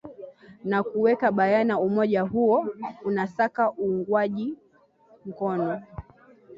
na kuweka bayana umoja huo unasaka uungwaji mkono